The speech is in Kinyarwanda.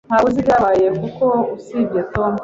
Ntawe uzi ibyabaye koko usibye Tom.